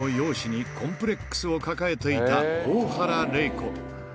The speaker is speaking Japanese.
みずからの容姿にコンプレックスを抱えていた大原麗子。